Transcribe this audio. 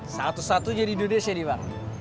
satu satu jadi dua desa bang